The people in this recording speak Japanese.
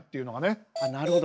なるほど。